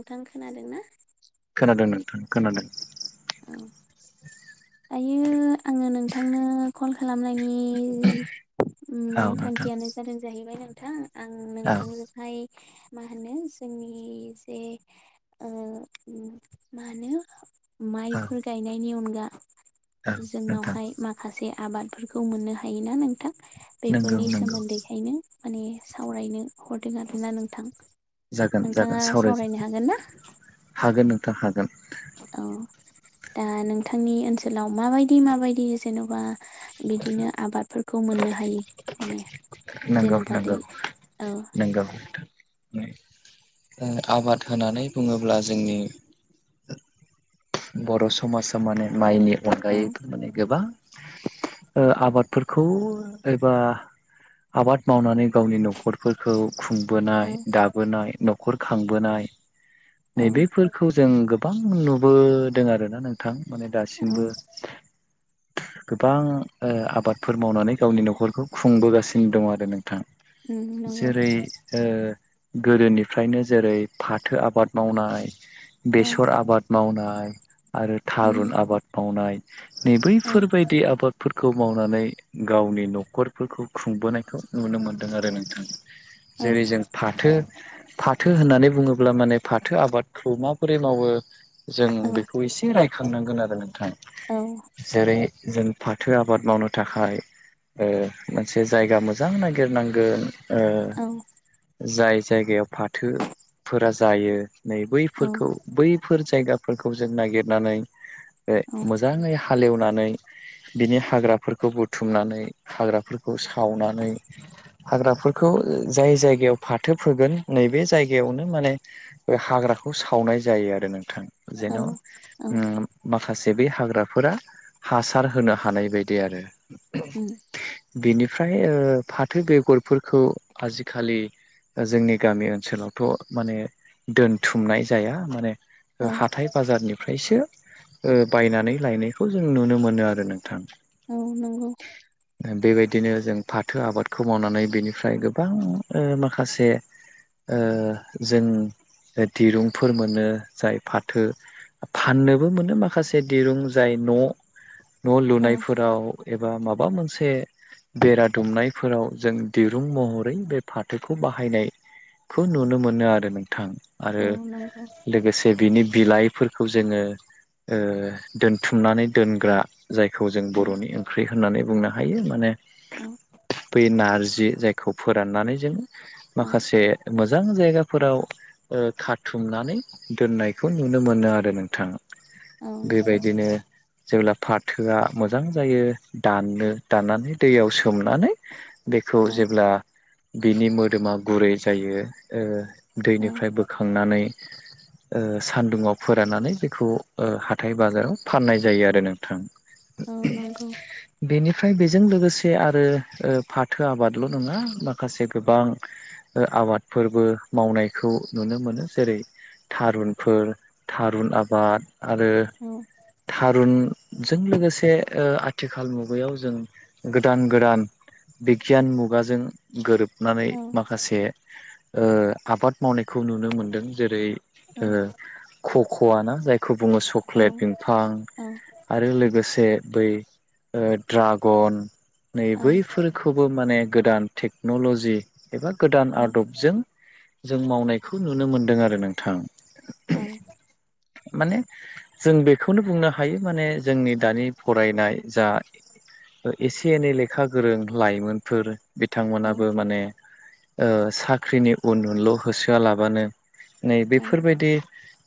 नोंथां खोनादों ना खोनादों नोंथां खोनादों ओ दायो आङो नोंथांनो कल खालामनायनि औ मेन नोंथां थांखियानो जादों जाहैबाय नोंथां आं औ नोंथांजोंहाय मा होनो जोंनि जे ओ मा होनो औ माइफोर गायनायनि अनगा औ नोंथां जोंनावहाय माखासे आबादफोरखौ मोननो हायोना नोंथां नंगौ बेफोरनि नंगौ सोमोन्दैहायनो माने सावरायनो हरदों आरोना नोंथां जागोन जागोन नोंथाङा सावराय सावरायनो हागोन ना हागोन नोंथां हागोन औ दा नोंथांनि ओनसोलाव माबायदि माबायदि जेन'बा बिदिनो आबादफोरखौ मोननो हायो माने नंगौ जेन'बा दै नंगौ औ नंगौ ओ आबाद होननानै बुङोब्ला जोंनि बर' समाजा माने माइनि औ अनगायैबो माने गोबां ओ आबादफोरखौ एबा आबाद मावनानै गावनि न'खरफोरखौ औ खुंबोनाय दाबोनाय न'खर खांबोनाय औ नै बेफोरखौ जों गोबां नुबोदों आरोना नोंथां माने औ दासिमबो गोबां ओ आबादफोर मावनानै गावनि न'खरखौ खुंबोगासिनो दं आरो नों थां उम नंगौ जेरै ओ गोदोनिफ्रायनो जेरै फाथो आबाद मावनाय औ बेसर आबाद मावनाय आरो उम थारुन आबाद मावनाय नै औ बैफोरबायदि आबादफोरखौ खौ मावनानै गावनि न'खरफोरखौ खुंबोनायखौ नुनो मोनदों आरो नोंथां औ जेरै जों फाथो फाथो होननानै बुङोब्ला माने फाथो आबादखौ माबोरै मावो जों औ बेखौ एसे रायखांनांगोन आरो नोंथां जेरै जों फाथो आबाद मावनो थाखाय ओ मोनसे जायगा मोजां नागिरनांगोन ओ औ जाय जायगायाव फाथोफोरा जायो नै औ बैफोरखौ बैफोर जायगाफोरखौ जों नागिरनानै ओ मोजाङै हालेवनानै बिनि हाग्राफोरखौ बुथुमनानै हाग्राफोर खौ सावनानै हाग्राफोरखौ जाय जायगायाव फाथो फोगोन नैबे जायगायावनो माने ओ हाग ग्राखौ सावनाय जायो आरो नोंथां औ जेन' माखासे बे हाग्राफोरा हासार होनो हानाय बायदि आरो उम बेनिफ्राय ओ फाथो बेगरफोरखौ आजिखालि ओ जोंनि गामि ओनसोलावथ' माने दोनथुमनाय जाया माने औ ओ हाथाय बाजारनि फ्रायसो ओ बायनानै लायनायखौ जों नुनो मोनो आरो नोंथां औ नंगौ बेबायदिनो जों फाथो आबादखौ मावनानै बेनिफ्राय गोबां ओ माखासे ओ जों दिरुंफोर मोनो जाय फाथो फाननोबो मोनो माखासे दिरुं जाय न' न' औ लुनायफोराव एबा माबा मोनस से बेरा दुमनायफोराव जों दिरुं महरै बे फाथोखौ बाहायनाय खौ नुनो मोनो आरो नोंथां औ आरो नंगौ लोगोसे बिनि बिलाइ फोरखौ जोङो ओ दोनथुमनानै दोनग्रा जायखौ जों औ बर'नि ओंख्रि होननानै बुंनो हायो माने औ बै ना जि जाय फोरनानै जों औ माखासे मोज मोजां जायगाफोराव ओ खाथुमनानै दोननायखौ नुनो मोनो आरो नोंथां औ नांगौ बेबायदिनो जेब्ला फाथोआ मोजां जायो दाननो दाननानै दैयाव सो मनानै बेखौ औ जेब्ला बिनि मोदोमा गुरै जायो ओ औ दैनिफ्राय बोखांनानै [inaudible] ओ सान्दुङाव फोराननानै बेखौ ओ हाथाय बाजाराव फाननाय जायो आरो नोंथां औ नंगौ ओमफ्राय बेजों लोगोसे आरो ओ फाथो आबादल' नङा माखासे गोबां ओ आबादफोरबो मावनायखौ नुनो मोनो जेरै थारुनफोर थारुन आबाद आरो औ थारुनजों लोगोसे ओ आथिखाल मुगायाव जों गोदान गोदान बिगियान मुगाजों गोरोब बनानै औ माखासे आबाद मावनायखौ नुनो मोनदों जेरै औ ओ खख'आ ना जाय खौ बुङो औ चक्लेट बिफां आरो लोगोसे बै ओ ड्रागन नै बैफोरखौबो माने गोदान टेक्न'ल'जि एबा गोदान आदबजों जों मावनायखौ नुनो मोनदों आरो नोंथां औ माने जों बेखौनो बुंनो हायो माने जोंनि दानि फरायनाय जा एसे एनै लेखा गोरों लाइमोनफोर बिथांमोनाबो माने ओ साख्रिनि उन उनल' होसोआलाबानो नै औ बेफोरबायदि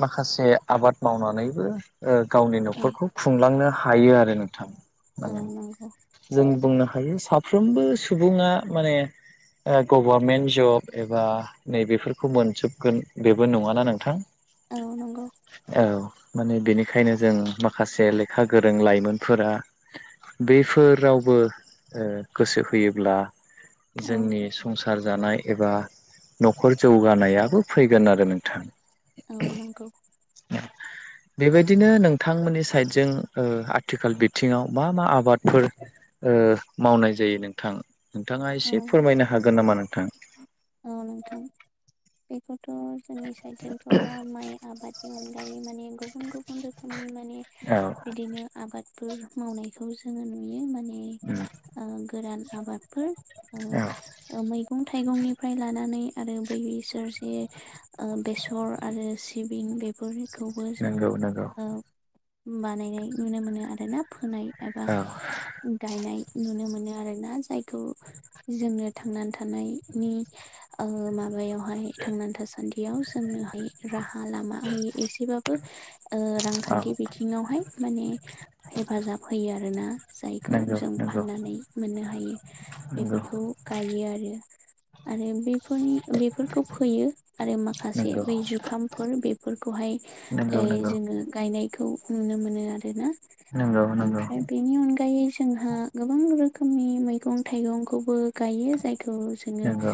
माखासे आबाद मावनानैबो ओ गावनि औ न'खरखौ खुंलांनो हायो आरो नोंथां औ माने नंगौ जों बुंनो हायो साफ्रोमबो सुबुङा माने ओ गभर्मेन्ट जब एबा नैबेफोरखौ मोनजोबगोन बेबो नङाना नोंथां औ नंगौ औ माने बेनिखायनो जों माखासे लेखा गोरों लाइमोनफोरा बेफोर रावबो ओ गोसो होयोब्ला औ जोंनि संसार जानाय एबा न'खर जौगानायाबो फैगोन आरो नोंथां औ नंगौ बेबायदिनो नोंथांमोननि साइडजों ओ आथिखाल बिथिङाव मा मा आबादफोर ओ मावनाय जायो नोंथां? नोंथाङा औ एसे फोरमायनो हागोन नामा नोंथां? औ नोंथां बेखौथ' जोंनि साइडजोंथ' माइ आबाद नि अनगायै माने गुबुन गुबुन रोखोमनि माने औ बिदिनो आबाद फोर मावनायखौ जोंङो नुयो माने उम गोरान आबादफोर औ ओ मैगं थाइगंनि फ्राय लानानै आरो बैसोर जे ओ बेसर आरो सिबिं बेफोर खौबो जोंङो नंगौ नंगौ ओ बानायनाय नुनो मोनो आरोना फोनाय एबा औ गायनाय नुनो मोनो आरोना जायखौ जोंनो थांनानै थानायनि ओ माबायाव थांनानै थासान्दियाव जोंनोहाय राहा लामा होयो एसेबाबो ओ रां औ रांखान्थि बिथिङावहाय माने हेफाजाब होयो आरोना जायखौ नंगौ जों नंगौ फाननानै मोननो हायो नंगौ बेफोरखौ गायो आरो आरो बे नि बेफोरखौ फैयो आरो माखासे नंगौ बै जुखामफोर बेफोरखौहाय नंगौ ओमफ्राय जोङो गायनायखौ नुनो मोनो आरोना नंगौ नंगौ ओमफ्राय बेनि अनगायै जोंहा गोबां रोखोम रोखोमनि मैगं थाइगंखौबो गायो जायखौ जोंङो नंगौ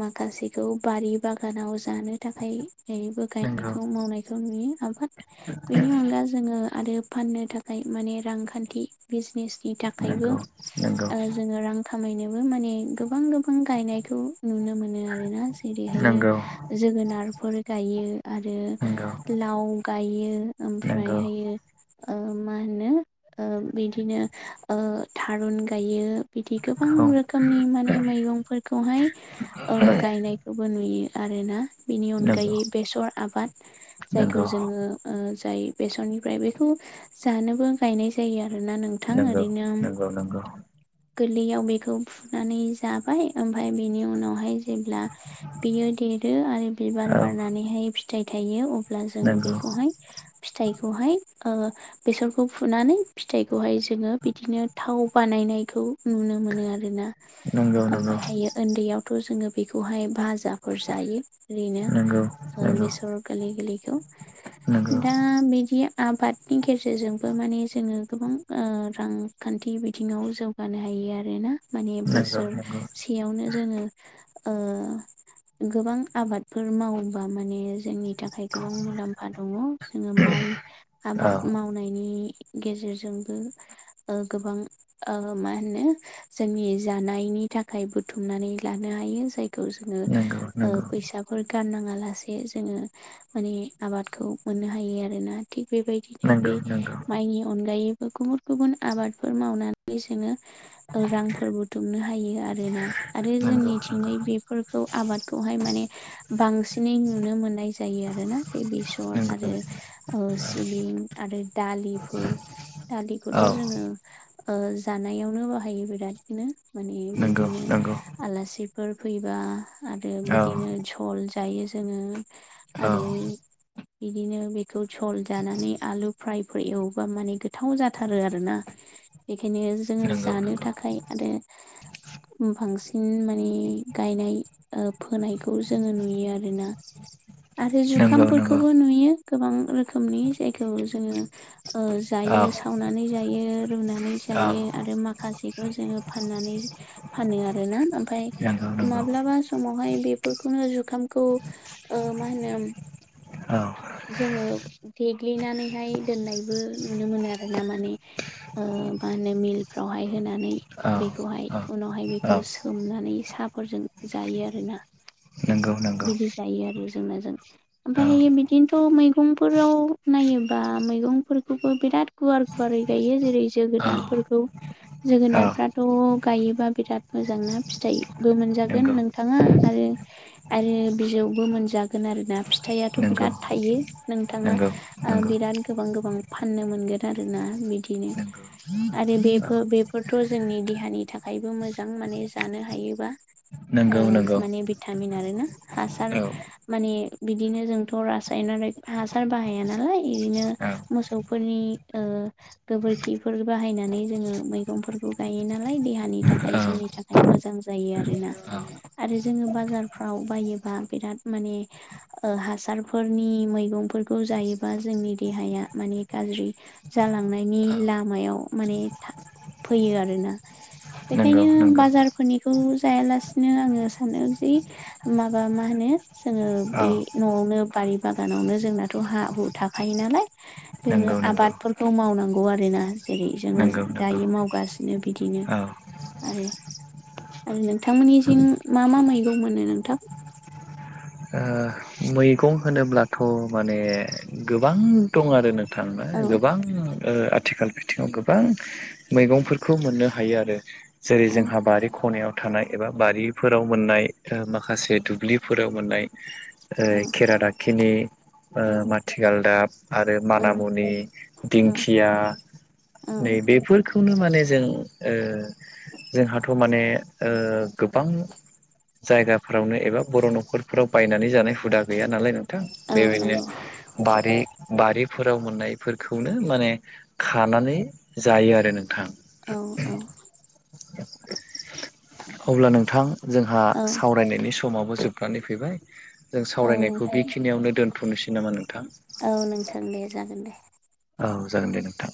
माखासे बारि बागानाव जानो थाखाय जैरैबो नंगौ गायनायखौ मावनायखौ नुयो आमफाय बेनि अनगा जोंङो आरो फाननो थाखाय माने रांखान्थि बि थाखायबो नंगौ ओ नंगौ जोंङो रां खामायनोबो माने गोबां गोबां बेखौ नुनो मोनो आरोना जेरैहाय नंगौ जोगोनारफोर गायो आरो नंगौ लाव गायो नंगौ ओमफ्रायहायो ओ मा होनो ओ बिदिनो ओ थारुन गायो। बिदि गोबां औ रोखोमनि माने मैगंफोरखौहाय ओ गायनायखौबो नुयो बे आरोना बिनि नंगौ अनगायै बेसर आबाद जायखौ नंगौ जोंङो ओ जाय बेसननिफ्राय बेखौ जानोबो गायनाय जायो आरोना नोंथां नंगौ ओरैनो नंगौ नंगौ गोरलैयाव बेखौ फुनानै जाबाय ओमफफ्राय बिनि उनावहाय जेब्ला बियो देरो आरो बिबार औ बारनानैहाय फिथाइ थायो अब्ला जोंङो नंगौ बेखौहाय फिथाइखौहाय ओ बेसरखौ फुनानै फिथाइखौहाय जोंङो बिदिनो थाव बानायनायखौ नुनो मोनो आर ना नंगौ नंगौ ओमफफ्रायहायो उन्दैयावथ' जोंङो बेखौहाय बाज फुजाफोर जायो नंगौ आरोयैनो बेसर गोरलै गोरलैखौ नंगौ दा बिदि आबाद नि गेरेजेरजोंबो माने जोंङो ओ गोबां रांखान्थि बिथिङाव जौगानो हायो आरोना माने नंगौ नंगौ नंगौ बोसोरसेयावनो जोंङो ओ गोबां आबादफोर मावोबा माने जोंनि थाखाय गोबां मुलाम्फा दङ जोंङो माइ औ आबाद मावनायनि गेजेरजोंबो गोबां। ओ मा होनो जोंनि जानायनि थाखाय बुथुमनानै लानो हायो जायखौ जोंङो नंगौ ओ नंगौ फैसाफोर गारनाङा लासे जोंङो माने आबादखौ मोननो हायो आरोना थिग बेबायदिनो बे नंगौ नंगौ माइनि अनगायै गुबुन गुबुन आबादफोर मावनानै जोंङो रांफोर बुथुमनो हायो। आरोना आरो नंगौ नंगौ जोंनिथिंयै बेफोरखौ आबादखौहाय माने बांसिनै नुनो मो मोननाय जायो आरोना बे बेसर नंगौ आरो ओ सिबिं आरो दालिफोर दालिखौथ' औ जोंङो ओ जानायावनो बाहायो बिरादनो माने नंगौ बिदिनो नंगौ आलासि फोर फैबा आरो औ बिदिनो झल जायो जोङो। औ आरो बिदिनो बेखौ झल जानानै आलु फ्राय फोर एवोबा माने गोथाव जाथारो आरो ना बेखायनो जोङो नंगौ जानो नंगौ थाखाय आरो बांसिन माने गायनाय ओ फोनायखौ जोङो नुयो आरोना। आरो नंगौ नंगौ जुखामफोरखौबो नुयो गोबां रोखोम नि जायखौ जोङो ओ औ जायो सावनानै जायो, रुनानै औ जायो आरो माखासेखौ जोङो फाननानै फानो आरोना ओमफ्राय नंगौ नंगौ माब्लाबा समावहाय बे फोरखौनो जुखामखौ ओ मा होनो औ जोङो देग्लिनानैहाय दोननायबो नुनो मोनो आरो ना माने ओ मा होनो मिलफ्रावहाय होनानै औ बेखौहाय उनावहाय बेखौ औ सोम नानै साहाफोरजों जायो आरोना। नंगौ नंगौ बिदि जायो आरो जोंना जों औ ओमफ्रायहायो बिदिनोथ' मैगंफोराव नायोबा मैगंफोरखौबो बिराद गुवार गुवार माब्रै गायो जेरै औ जोगोनारफोरखौ जोगोनारफ्राथ' गायोबा बिराद मोजां ना फिथाइबो मोनजागोन नंगौ नोंथाङा आरो आरो बिजौबो मोनजागोन आरोना। फिथाइआथ' नंगौ बिराद थायो ‌। नोंथाङा औ ओ बिराद गोबां गोबां फाननो मोनोन आरोना बिदिनो आरो बे बेफोर बेफोरथ' जों नि देहानि थाखायबो मोजां माने जानो हायोबा ओ नंगौ नंगौ माने भिटामिन आरोना हासार औ माने बिदिनो जोंथ' रासायनारि हासार बाहाया नालाय बिदिनो औ मोसौफोरनि ओ गोबोरखिफोर बाहायनानै जोङो मैगंफोरखौ गायोनालाय देहानि थाखाय औ जोंनि थाखाय मोजां जायो आरोना औ आरो जोङो बाजार फ्राव बायोबा बिराद माने ओ हासारफोरनि मैगंफोरखौ जायोबा जों जोंनि देहाया माने गाज्रि जालांनायनि औ लामायाव माने फैयो आरोना। नंगौ बेखायनो नंगौ बाजारफोरनिखौ जायालासिनो आङो सानो जे माबा मा होनो जोङो औ बे न'आवनो बारि बागानावनो जोंनाथ' हा हु था खायो नालाय बेयावनो नंगौ नंगौ आबादफोरखौ मावनांगौ आरोना जेरै जोङो नंगौ नंगौ दायो मावगा सिनो बिदिनो औ ओ आरो, आरो नोंथांमोननिथिं मा मा मै गं मोनो नोंथां? मैगं होनोब्लाथ' माने गोबां दं आरो नों थां औ गोबां ओ थिखाल बिथिङाव गोबां मैगंफोरखौ मोननो हायो आरो जेरै औ जोंहा बारि खनायाव थानाय एबा बारिफोराव मोननाय, माखासे दुब्लिफोराव मोननाय ओ औ खेरादाखिनि ओ औ माथिगालदाब आरो औ मानामुनि, दिंखिया, औ नै बेफोरखौनो माने जों ओ जोंहाथ' माने ओ गोबां जायगा फोरावनो एबा बर' न'खरफोराव बायनानै जानाय हुदा गैया नालाय नों थां औ बेबायदिनो नंगौ बारि बारि फोराव मोननायफोरखौनो माने खानानै जायो आरो नोंथां। औ औ अब्ला नोंथां जोंहा औ सावरायनायनि समाबो जोबनानै फैबाय। जों औ सावरायनायखौ नोंथां बेखिनियावनो दोनथ'नोसै नामा नों औ नोंथां दे जागोन दे। औ जागोन दे नोंथां